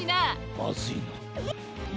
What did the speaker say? まずいな。